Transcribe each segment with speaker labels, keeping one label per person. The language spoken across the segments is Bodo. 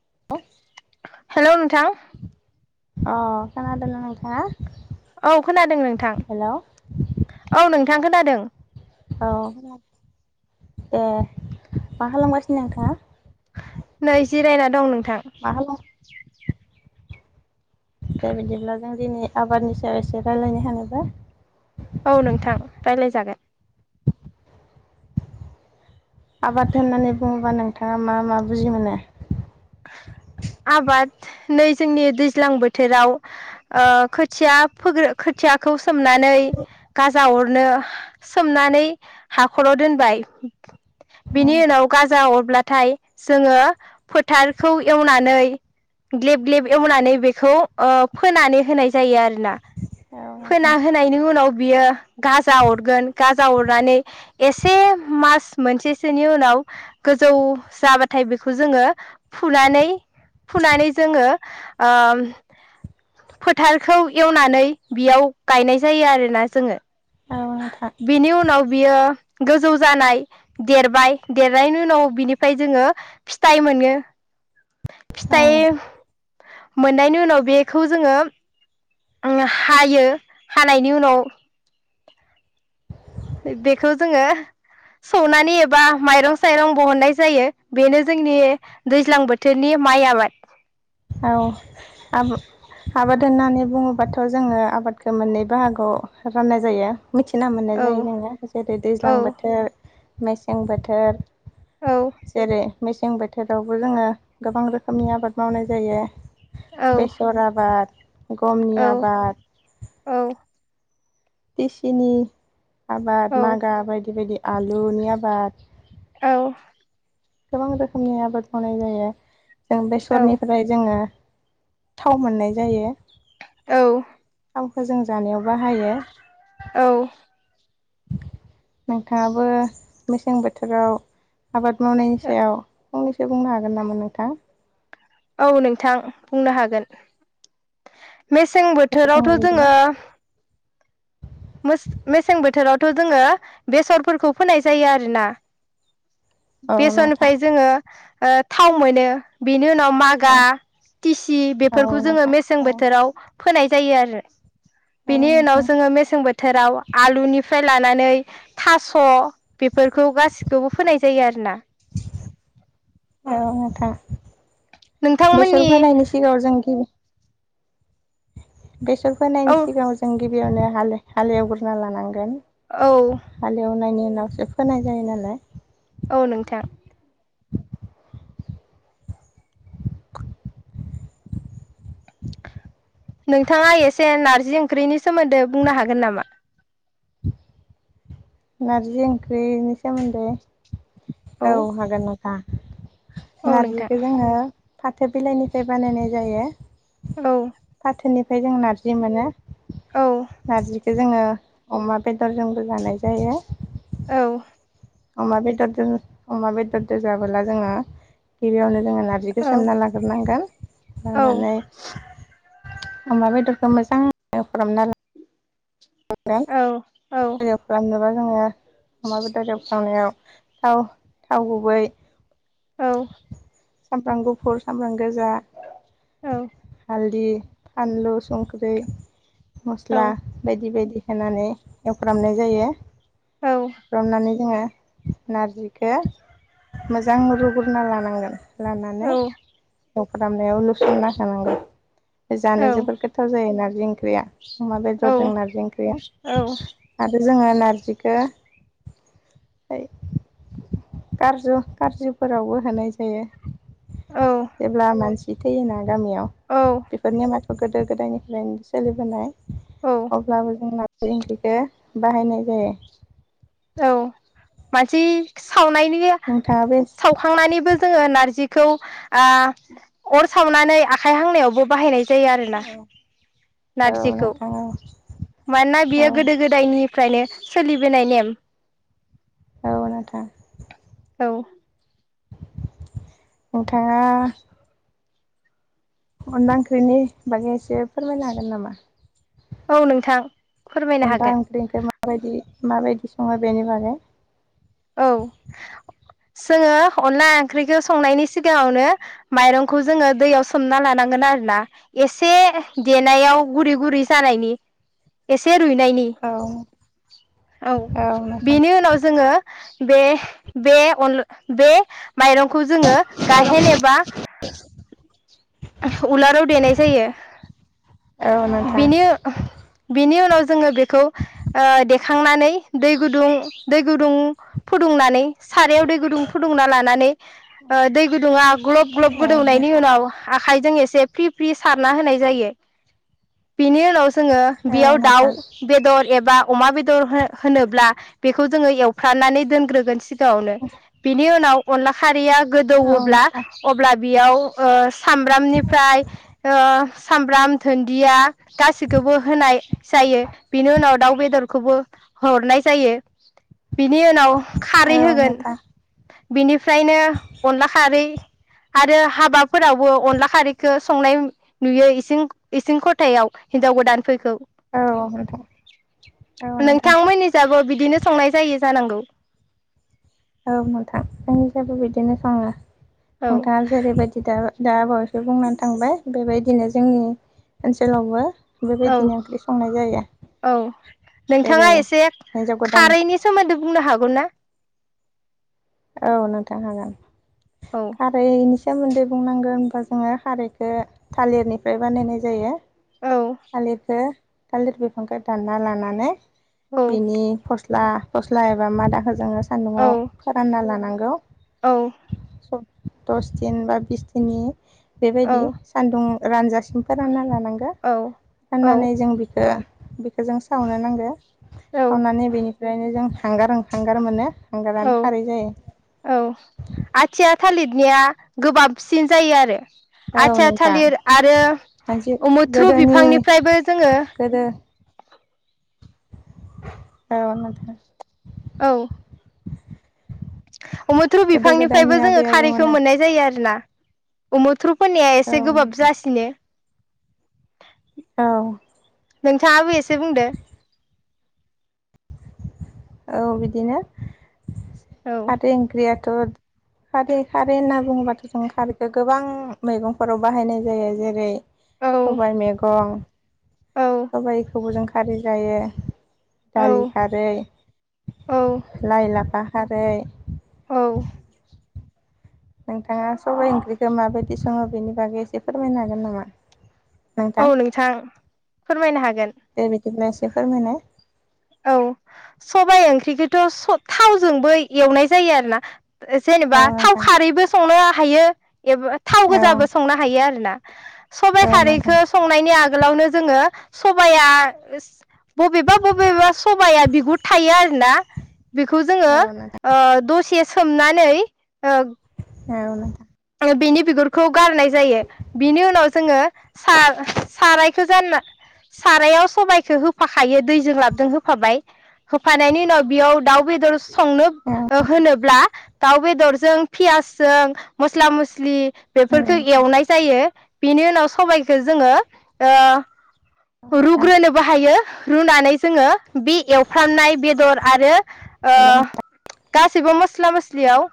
Speaker 1: [unintelligible]
Speaker 2: हेल' नोंथां
Speaker 1: अ खोनादों ना नोंथांङा
Speaker 2: औ खोनादों नोंथां औ नोंथां खोनादों
Speaker 1: औ ए मा खालामगासिनो नोंथाङा
Speaker 2: नै जिरायना दं नों थां
Speaker 1: मा खालाम दे बिदिब्ला जों दिनै आबादनि सायाव एसे रायज्लायनो होनानोब्ला
Speaker 2: औ नोंथां राय्लाय जागोन
Speaker 1: आबाद होननानै बुङोबा नोंथाङा मा मा बुजि मोनो
Speaker 2: आबाद नै जोंनि दैज्लां बोथोराव ओ खुथिया फ्र खोथियाखौ सोमनानै गाजा अरनो सोमनानै हाखराव दोनबाय बिनि उनाव गाजा अरब्लाथाय जोङो फोथारखौ एवनानै ग्लेब ग्लेब एवनानै बेखौ फोनानै होनाय जायो आरोना
Speaker 1: औ
Speaker 2: फोना
Speaker 1: नोंथां
Speaker 2: होनायनि उनाव बियो गाजा अरगोन गाजा अरनानै एसे मास मोनसेसोनि उनाव गोजौ जाबाथाय बेखौ जोङो फुनानै फुनानै जोङो फोथारखौ एवनानै बेयाव गायनाय जायो आरोना जोङो
Speaker 1: औ नोंथां
Speaker 2: बिनि उनाव बियो गोजौ जानाय देरबाय देरनायनि उनाव बिनिफ्राय जोङो फिथाइ मोनो
Speaker 1: औ
Speaker 2: फिथाइ मोननायनि उनाव बेखौ जोङो हायो हानायनि उनाव बेखौ जोङो सौनानै एबा माइरं साइरं बहननाय जायो बेनो जोंनि दैज्लां बोथोरनि माइ आबाद
Speaker 1: औ आबाद होननानै बुङोबाथ' जोङो आबादखौ मोननै बाहागोआव राननाय जायो मिथिना मोननाय
Speaker 2: औ
Speaker 1: जायो जोङो जेरै दैज्लां
Speaker 2: औ
Speaker 1: बोथोर मेसें बोथोर
Speaker 2: औ
Speaker 1: जेरै मेसें बोथोरावबो जोङो गोबां रोखोमनि आबाद मावनाय जा जायो
Speaker 2: औ
Speaker 1: बेसर आबाद गमनि
Speaker 2: औ
Speaker 1: आबाद
Speaker 2: औ
Speaker 1: दिसिनि आबाद मागा बायदि बायदि आलुनि आबाद
Speaker 2: औ
Speaker 1: गोबां रोखोमनि आबाद मावनाय जायो जों
Speaker 2: औ
Speaker 1: बेसरनिफ्राय जोङो थाव मोननाय जायो
Speaker 2: औ
Speaker 1: थावखौ जों जानायाव बाहायो
Speaker 2: औ
Speaker 1: नोंथाङाबो मेसें बोथोराव आबाद मावनायनि सायाव फंनैसो बुंनो हागोन नामा नोंथां
Speaker 2: औ नोंथां बुंनो हागोन मेसें
Speaker 1: दे
Speaker 2: बोथोरावथ'
Speaker 1: बुंलाय बिदिबा
Speaker 2: जोङो मेसें बोथोरावथ' जोङो बेसरफोरखौ फोनाय जायो आरोना
Speaker 1: औ नोंथां
Speaker 2: बेसरनिफ्राय जोङो ओ थाव मोनो बेनो जोंनाव मागा टिसि बेफोरखौ
Speaker 1: औ
Speaker 2: जोङो
Speaker 1: नोंथां
Speaker 2: मेसें बोथोराव फोनाय जायो आरो
Speaker 1: औ
Speaker 2: बेनि उनाव
Speaker 1: नोंथां
Speaker 2: जोङो मेसें बोथोराव आलुनि फ्राय लानानै थास' बेफोरखौ गासिबखौबो फोनाय जायो आरोना
Speaker 1: औ औ नोंथां
Speaker 2: नोंथांमोननि
Speaker 1: बेसर फोनायनि सिगाङाव जों गिबि बेसर फोनायनि
Speaker 2: औ
Speaker 1: सिगाङाव जों गिबि बेयावनो हाल हालेवग्रोना लानांगोन
Speaker 2: औ
Speaker 1: हालएवनायनि उनाव सो फोनाय जायो नालाय
Speaker 2: औ नोंथां
Speaker 1: [inaudible]
Speaker 2: नोंथाङा एसे नारजि ओंख्रिनि सोमोनदै बुंनो हागोन नामा
Speaker 1: नारजि ओंख्रिनि सोमोनदै औ हागोन नोंथां
Speaker 2: औ नोंथां
Speaker 1: नारजिखौ जोङो फाथो बिलाइनिफ्राय बानायनाय जायो
Speaker 2: औ
Speaker 1: ओमफ्राय जों नारजि मोनो
Speaker 2: औ
Speaker 1: नारजि खौ जोङो अमा बेदरजोंबो जानाय जायो
Speaker 2: औ
Speaker 1: अमा बेदर अमा बेदरजों जाबोला जोङो गिबियावनो जोङो नारजिखौ
Speaker 2: औ
Speaker 1: सोमना लाग्रोनांगोन
Speaker 2: औ
Speaker 1: लानानै अमा बेदरखो मोजां एवफ्रामना ला
Speaker 2: औ
Speaker 1: [unintelligible]
Speaker 2: औ
Speaker 1: आरो एवफ्रामनोबा दङ अमा बेदर एवफ्रामनायाव थाव थाव गुबै
Speaker 2: औ
Speaker 1: सामब्राम गुफुर सामब्राम गोजा
Speaker 2: औ
Speaker 1: हालदि फानलु संख्रै मस्ला बायदि बायदि होनानै एवफ्रामनाय जायो थ्रमनानै जोङो नारजिखो मोजां रुगोरना लानांगोन लानानै एवफ्रामनायाव लुसोमना होखानांगौ जानो जोबोद गोथाव जायो नार बि ओंख्रिया अमा बेदरजों नारजि ओंख्रिया आरो जोङो नारजिखो खारजु खारजुफोरावबो होनाय जायो जेब्ला मानसि जि थैयोना गामियाव
Speaker 2: औ
Speaker 1: बेफोर निमा गोदो गोदायनिफ्रायनो सोलिबोनाय
Speaker 2: औ
Speaker 1: अब्लाबो जों नारजि ओंख्रिखो बाहायनाय जायो
Speaker 2: बाथि सा सावनायनि
Speaker 1: नोंथाङा बे औ
Speaker 2: सावखांनानैबो जोङो नारजिखौ आ अर सावनानै आखाइ हांनायावबो बाहायनाय जायो आरोना
Speaker 1: औ
Speaker 2: नारजिखौ
Speaker 1: नोंथां औ
Speaker 2: मानोना बियो गोदो
Speaker 1: औ
Speaker 2: गोदायनि फ्रायनो सोलिबोनाय नेम
Speaker 1: औ नोंथां
Speaker 2: औ
Speaker 1: नोंथाङा अनला ओंखिरनि बागै एसे फोरमायनो हागोन नामा
Speaker 2: औ नोंथां फोरमायनो हागोन
Speaker 1: माबादि माबायदि सङो बेनि बारै
Speaker 2: औ जोङो अनला ओंख्रिखौ संनायनि सिगाङावनो माइरंखौ जोङो दैयाव सोमना लानांगोन आरोना एसे देनायाव गुरै गुरै जानायनि एसे रुइनायनि
Speaker 1: औ
Speaker 2: औ बेनि उनाव जोङो बे बे अन बे माइरंखौ जोङो गाहेन एबा उलाराव देनाय जायो
Speaker 1: औ नोंथां
Speaker 2: बिनि उनाव जोङो बेखौ खांनानै दै गुदुं दै गुदुं फुदुंनानै सारायाव दै गुदुं फुदुंना लानानै दै गुदुङा ग्लब ग्लब
Speaker 1: औ
Speaker 2: गोुदनायनि
Speaker 1: नोंथां
Speaker 2: उनाव आखाइजों एसे फ्रि फ्रि सारना होनाय जायो बिनि उनाव जोङो
Speaker 1: औ
Speaker 2: बेयाव दाउ
Speaker 1: नोंथां
Speaker 2: बेदर एबा अमा बेदर होनोब्ला बेखौ जोङो एव फ्राननानै दोनग्रोगोन सिगाङावनो बिनि उनाव अनला खारिया
Speaker 1: औ
Speaker 2: गोदौवोब्ला
Speaker 1: नोंथां
Speaker 2: अब्ला बेयाव ओ सामब्रामनिफ्राय ओ सामब्राम दुन्दिया गासिखौबो होनाय जायो बेनि उनाव दाउ बेदरखौबो हरनाय जायो बिनि उनाव
Speaker 1: औ
Speaker 2: खारै होगोन
Speaker 1: नोंथां
Speaker 2: बिनिफ्रायनो अनला खारै आरो हाबाफोरावबो अनला खारैखौ संनाय नुयो इंसिं इसिं खथायाव हिन्जाव गोदानफोरखौ
Speaker 1: औ नोंथां औ नोंथां
Speaker 2: नोंथांमोननि जाबो बिदिनो संनाय जायो जानांगौ
Speaker 1: औ नोंथां जोंनि जाबो बिदिनो सङो
Speaker 2: औ
Speaker 1: नोंथाङा जेरैबायदि दा दा आबावैसो बुंनानै थांबाय बेबायदिनो जोंनि ओनसोलावबो
Speaker 2: औ
Speaker 1: बेबायदिनो ओंख्रि संनाय जायो
Speaker 2: औ नोंथाङा
Speaker 1: जेरै
Speaker 2: एसे
Speaker 1: हिन्जाव गोदान
Speaker 2: खारैनि सोमोन्दै बुंनो हागौ ना
Speaker 1: औ नोंथां हागोन
Speaker 2: औ
Speaker 1: खारैनि सोमोन्दै बुंनांगोन होनबा जोङो खारैखौ थालिरनिफ्राय बानायनाय जायो
Speaker 2: औ
Speaker 1: थालिरखो थालिर बिफांखौ दानना लानानै
Speaker 2: औ
Speaker 1: बेनि फ स्ला फस्ला एबा मादाखौ जोङो
Speaker 2: औ
Speaker 1: सान्दुंआव। फोरानना लानांगौ।
Speaker 2: औ
Speaker 1: सब दस दिन बा बिस दिननि। बेबायदि
Speaker 2: औ
Speaker 1: सान्दुं। रानजा सिम रानना लानांगो फोराननानै जों बिखो। बेखो जों सावनो नांगो।
Speaker 2: औ
Speaker 1: अननानै बेनि। ओखायनो जों हांगार ओ हांगार मोनो।
Speaker 2: औ
Speaker 1: हांगारानो खारै जायो
Speaker 2: औ आथिया थालिदनिया गोबाबसिन जायो आरो।
Speaker 1: औ
Speaker 2: आथिया
Speaker 1: नोंथां
Speaker 2: थालिर आरो
Speaker 1: मोनसे
Speaker 2: उमुथ्रु
Speaker 1: गोदोनि
Speaker 2: बिफांनिफ्रायबो जोङो।
Speaker 1: गोदो औ।
Speaker 2: औ। अमुथ्रु
Speaker 1: गोदो गोदायनि
Speaker 2: बिफांनिफ्रायबो जोङो
Speaker 1: आबै
Speaker 2: खारैखौ
Speaker 1: आबौमोना
Speaker 2: मोननाय जायो आरो ना। उमुथ्रु फनिया
Speaker 1: औ
Speaker 2: एसे गोबाब
Speaker 1: नोंथां
Speaker 2: जासिनो।
Speaker 1: औ
Speaker 2: नोंथाङाबो एसे बुंदो
Speaker 1: औ बिदिनो
Speaker 2: औ
Speaker 1: फाथै ओंख्रिया थोद खारै खारै होनना बुङोबाथ' जों खारैखौ गोबां मैगंफोराव बाहायनाय जायो जेरै
Speaker 2: औ
Speaker 1: सबाय मैगं
Speaker 2: औ
Speaker 1: सबायखौबो जों खारि जायो।
Speaker 2: औ
Speaker 1: खारै
Speaker 2: औ
Speaker 1: लाइ लाफा खारै।
Speaker 2: औ।
Speaker 1: नोंथाङा सबाइ ओंख्रिखौ माबायदि सङो बेनि बागै एसे फोरमायनो हागोन नामा
Speaker 2: औ नोंथां फोरमायनो हागोन।
Speaker 1: बादिनोएसे फोरमायनाय
Speaker 2: औ सबाइ ओंख्रिखोथ' स' थावजोंबो एवनाय जायो आरोना। जेनेबा
Speaker 1: औ
Speaker 2: थाव
Speaker 1: नोंथां
Speaker 2: खारैबो संनो हायो। ए थाव
Speaker 1: औ
Speaker 2: गोजाबो संनो हायो आरो ना सबाय
Speaker 1: औ नोंथां
Speaker 2: खारिखौ संनायनि आगो आगोलावनो जोंङो सबाया बबेबा बबेबा सबाया बिगुर थायो आरोना बेखौ जोंङो
Speaker 1: औ नोंथां
Speaker 2: ओ दसे सोमना नेै
Speaker 1: औ नोंथां
Speaker 2: बेनि बिगुरखौ गारनाय जायो बिनि उनाव जोंङो सा सारायाव जाना सबायखौ होफाखायो दैजों लाबजों होफाबाय होफानायनि उनाव बेयाव दाउ बेदर संनो
Speaker 1: औ नोंथां
Speaker 2: होनोब्ला दाउ बेदरजों पियासजों मस्ला मस्लि
Speaker 1: औ
Speaker 2: बेफोरखौ
Speaker 1: नोंथां
Speaker 2: एवनाय जायो बेनि उनाव सबायखौ जोंङो ओ
Speaker 1: औ नोंथां
Speaker 2: रुग्रोनोबो हायो रुनानै जोंङो बे एवफ्रामनाय बेदर आरो ओ
Speaker 1: हेलौ
Speaker 2: गासैबो मस्ला मस्लियाव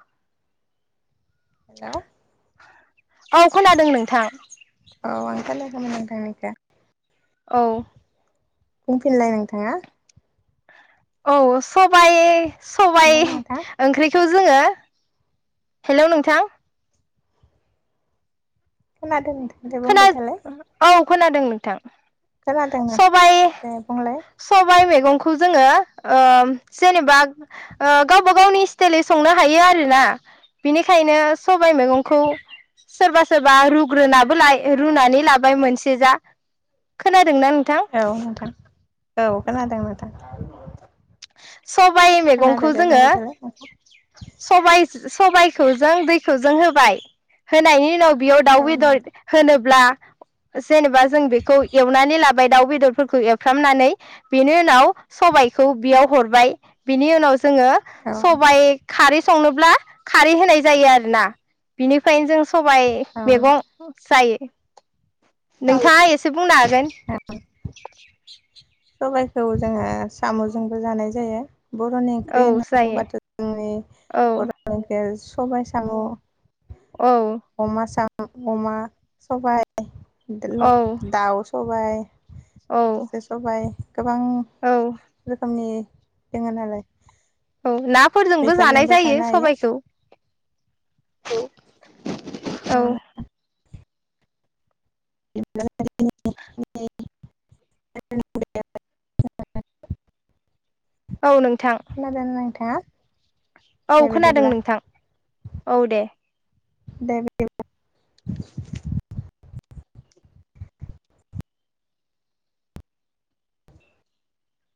Speaker 1: हेलौ
Speaker 2: औ खोनादों नोंथां
Speaker 1: औ आं खोनायाखैमोन नोंथांनि खौ
Speaker 2: औ
Speaker 1: बुंफिनलाय नोंथाङा
Speaker 2: औ सबाय सबाय
Speaker 1: हेलौ नोंथां
Speaker 2: ओंख्रिखौ जोंङो हेलौ नोंथां
Speaker 1: खोनादों नोंथां दे बुंबाय
Speaker 2: खोना- औ खोनादों नोंथां
Speaker 1: खोनादोंमोन
Speaker 2: सबाइ
Speaker 1: दे बुंलाय
Speaker 2: सबाइ मेगं खौ जोंङो ओ जेनेबा ओ गावबा गावनि स्टाइल संनो हायो आरोोना बिनिखायनो सबाय मैगंखौ सोरबा सोरबा रुग्रोनाबो ला रुनानै लाबाय मोनसे जा खो
Speaker 1: औ नोंथां औ खोनादों नोंथां [unintelligible]
Speaker 2: सबाइ मैगंखौ
Speaker 1: खोनादों दे
Speaker 2: जोंङो
Speaker 1: बुंबाय थालाय नोंथां
Speaker 2: सबाय सबायखौ जों दैखौ जों होबाय होनायनि उनाव बेयाव
Speaker 1: औ
Speaker 2: दाउ बेदर
Speaker 1: नोंथां
Speaker 2: होनोब्ला जेनेबा जों बेखौ एवनानै लाबाय दाउ बेदर फोरखौ एरफ्रामनानै बेनि उनाव सबायखौ बेयाव हरबाय बिनि उनाव जोङो
Speaker 1: औ नोंथां
Speaker 2: सबाय खारै संनोब्ला खारै होनाय जायो आरोना बिनिफ्रायनो जों सबाय
Speaker 1: औ
Speaker 2: मैगं जायो [inaudible]
Speaker 1: नोंथां
Speaker 2: नोंथाङा एसे बुंनो हागोन [inaudible]
Speaker 1: सबायखौ जोङो साम'जोंबो जानाय जायो बर'नि
Speaker 2: औ
Speaker 1: ओंख्रि होनना
Speaker 2: जायो
Speaker 1: बुङोबाथ' जोंनि
Speaker 2: औ
Speaker 1: बर' ओंख्रि सबाय साम'
Speaker 2: औ
Speaker 1: अमा सा अमा सबाइ देलल
Speaker 2: औ
Speaker 1: दाउ सबाइ दाउ
Speaker 2: औ
Speaker 1: गोबां
Speaker 2: औ
Speaker 1: नि दङ नालाय
Speaker 2: औ ना फोरजोंबो जानाय जायो सबाइखौ
Speaker 1: औ
Speaker 2: औ
Speaker 1: [unintelligible]
Speaker 2: औ नंगौ
Speaker 1: होनाबानो नोंथाङा
Speaker 2: औ
Speaker 1: दे
Speaker 2: खोनादों
Speaker 1: बिदिब्ला
Speaker 2: नोंथां औ दे
Speaker 1: दे बिदिब्ला